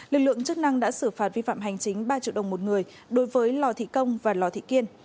lực lượng chức năng đã xử phạt vi phạm hành chính ba triệu đồng một người đối với lò thị công và lò thị kiên